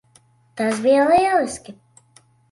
Tas bija lieliski.